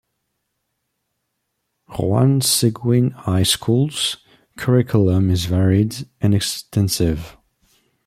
Juan Seguin High School's curriculum is varied and extensive.